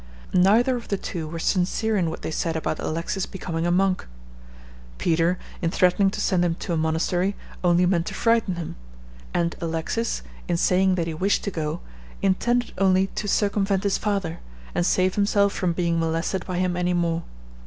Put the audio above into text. Neither of the two were sincere in what they said about Alexis becoming a monk. Peter, in threatening to send him to a monastery, only meant to frighten him; and Alexis, in saying that he wished to go, intended only to circumvent his father, and save himself from being molested by him any more.